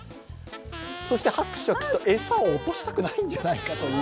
そして拍手はきっと、餌を落としたくないのではないかという。